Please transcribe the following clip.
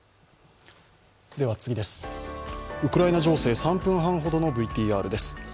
ウクライナ情勢、３分半ほどのＶＴＲです。